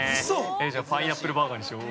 じゃあ、パイナップルバーガーにしよう。